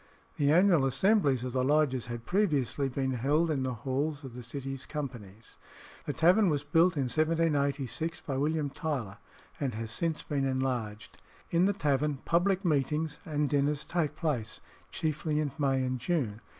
The annual assemblies of the lodges had previously been held in the halls of the City's companies. The tavern was built in 1786, by William Tyler, and has since been enlarged. In the tavern public meetings and dinners take place, chiefly in May and June.